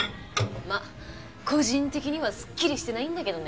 まあ個人的にはすっきりしてないんだけどね。